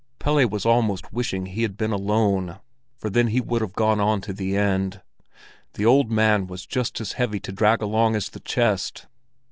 Pelle was almost wishing he had been alone, for then he would have gone on to the end. The old man was just as heavy to drag along as the chest.